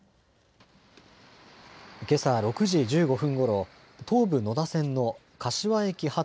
けさ６時１５分ごろ東武野田線の柏駅発